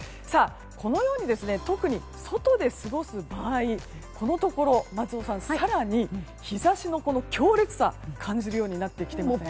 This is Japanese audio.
このように特に外で過ごす場合このところ更に日差しの強烈さ感じるようになってきてません？